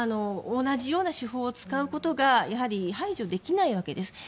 同じような手法を使うことが排除できないわけです。